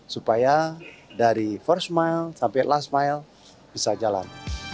supaya dari first mile sampai last mile bisa jalan